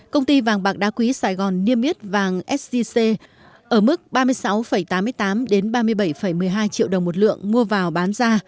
công ty vàng bạc đá quý sài gòn niêm yết vàng sgc ở mức ba mươi sáu tám mươi tám ba mươi bảy một mươi hai triệu đồng một lượng mua vào bán ra